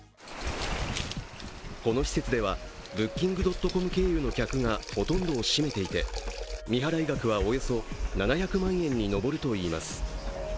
この施設ではブッキングドットコム経由の客がほとんどを占めていて、未払い額はおよそ７００万円に上るといいます。